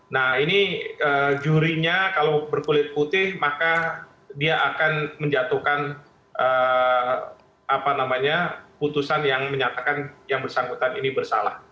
nah ini jurinya kalau berkulit putih maka dia akan menjatuhkan putusan yang menyatakan yang bersangkutan ini bersalah